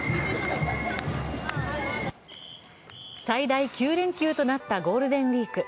最大９連休となったゴールデンウイーク。